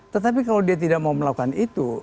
tetapi kalau dia tidak mau melakukan itu